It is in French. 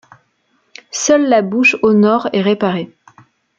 Seule la bouche au nord est réparée.